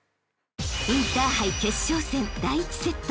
［インターハイ決勝戦第１セット］